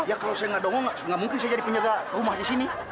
ya kalau saya gak dongol gak mungkin saya jadi penjaga rumah di sini